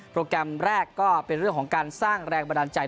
แกรมแรกก็เป็นเรื่องของการสร้างแรงบันดาลใจ